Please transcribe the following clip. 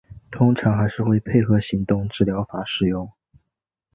通常还会配合行为治疗法使用。